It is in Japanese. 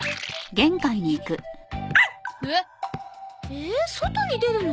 え外に出るの？